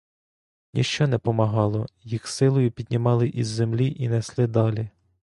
Ніщо не помагало; їх силою піднімали із землі і несли далі.